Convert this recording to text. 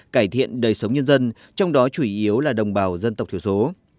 cải thiện đời sống nhân dân trong đó chủ yếu là đồng bào dân tộc thiểu số